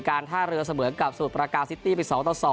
การท่าเรือเสมือนกับสูตรประกาศซิตี้ไป๒๒